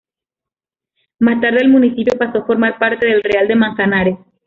Más tarde, el municipio pasó a formar parte del Real de Manzanares.